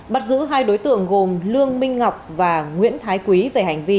bắt giữ hai đối tượng gồm lương minh ngọc và nguyễn thái quý về hành vi